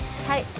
はい。